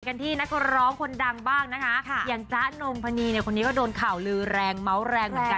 กันที่นักร้องคนดังบ้างนะคะอย่างจ๊ะนงพนีเนี่ยคนนี้ก็โดนข่าวลือแรงเมาส์แรงเหมือนกัน